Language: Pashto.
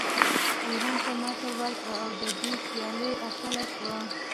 ایران ته ماتې ورکړه او د دې سیالۍ اتله شوه